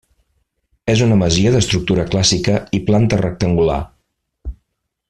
És una masia d'estructura clàssica i planta rectangular.